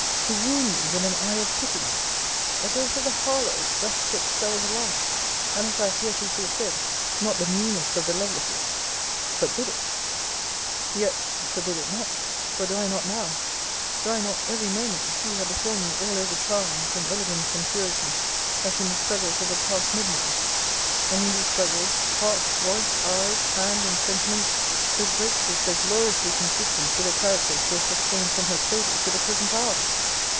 To wound me with an eye of pity! A daughter of the Harlowes thus to excel the last, and as I have heretofore said, not the meanest of the Lovelaces forbid it! * See Vol. IV. Letter XLVII. See Vol. III. Letter XVIII. Yet forbid it not for do I not now do I not every moment see her before me all over charms, and elegance and purity, as in the struggles of the past midnight? And in these struggles, heart, voice, eyes, hand, and sentiments, so greatly, so gloriously consistent with the character she has sustained from her cradle to the present hour?